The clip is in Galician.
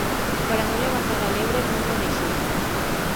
Para non levantar a lebre non o deixei.